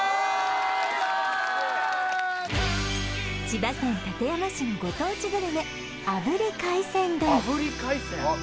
千葉県館山市のご当地グルメ炙り海鮮丼